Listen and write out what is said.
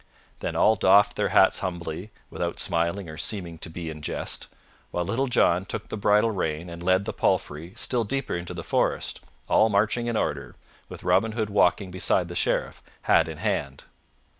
Then all doffed their hats humbly, without smiling or seeming to be in jest, while Little John took the bridle rein and led the palfrey still deeper into the forest, all marching in order, with Robin Hood walking beside the Sheriff, hat in hand.